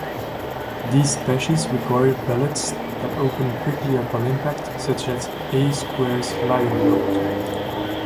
These species require bullets that open quickly upon impact, such as A-Square's Lion load.